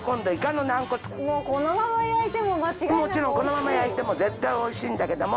もちろんこのまま焼いても絶対美味しいんだけども。